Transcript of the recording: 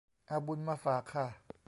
เอาบุญมาฝากค่ะ